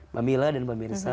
mamillah dan muhammadin